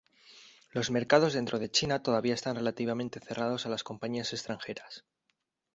Los mercados dentro de China todavía están relativamente cerrados a las compañías extranjeras.